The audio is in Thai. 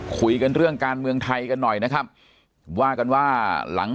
คุยกันเรื่องการเมืองไทยกันหน่อยนะครับว่ากันว่าหลัง